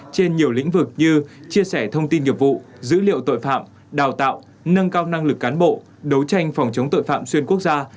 trên nhiều lĩnh vực như chia sẻ thông tin nghiệp vụ dữ liệu tội phạm đào tạo nâng cao năng lực cán bộ đấu tranh phòng chống tội phạm xuyên quốc gia